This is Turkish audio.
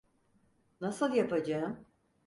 Nasıl yapacağım?